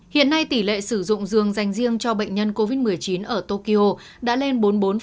hiện nay tỷ lệ sử dụng giường dành riêng cho bệnh nhân covid một mươi chín ở tokyo đã lên bốn mươi bốn